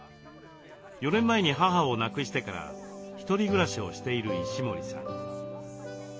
４年前に母を亡くしてから１人暮らしをしている石森さん。